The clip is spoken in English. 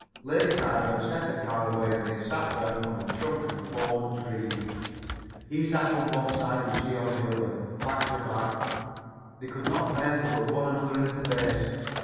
Lady Tyburn sent the car away, and they sat down on the trunk of a fallen tree. He sat on one side, and [Pg 63]she on the other, back to back. They could not bear to look one another in the face.